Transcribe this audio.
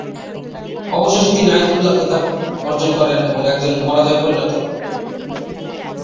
অবশেষে তিনি আয়াতুল্লাহ খেতাব অর্জন করেন এবং একজন মারজায় পরিণত হন।